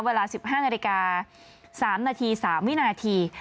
เวลา๑๕นาฬิกา๓นาที๓วินาที